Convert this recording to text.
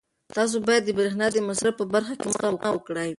تاسو باید د برېښنا د مصرف په برخه کې سپما وکړئ.